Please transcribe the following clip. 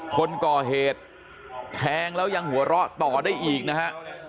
คนก่อเหตุแทงแล้วยังหัวเราะต่อได้อีกนะฮะ